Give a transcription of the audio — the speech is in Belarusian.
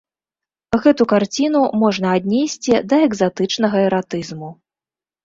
Гэту карціну можна аднесці да экзатычнага эратызму.